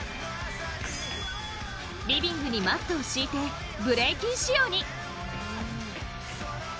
リビングにマットを敷いてブレイキン仕様に。